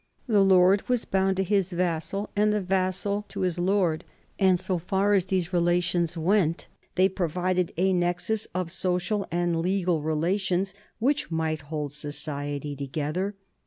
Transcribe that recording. The lord was bound to his vassal and the vassal to his lord, and so far as these relations went they provided a nexus of social and legal relations which might hold society together.